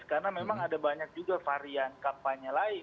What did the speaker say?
karena memang ada banyak juga varian kampanye lain